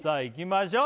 ましょう